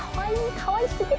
かわいすぎる！